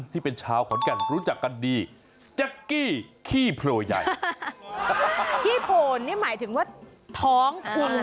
ขีโพนนะครับครับแพร่พี่น้อง